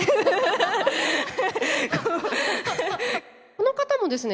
この方もですね